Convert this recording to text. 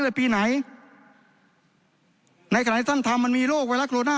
ในปีไหนในขณะที่ท่านทำมันมีโรคไว้ละโกรณ่า